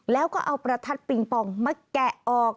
แล้วก็เอาประทัดปิงปองมาแกะออก